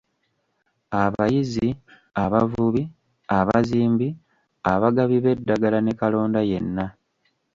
Abayizzi, abavubi, abazimbi, abagabi b'eddagala, ne kalonda yenna.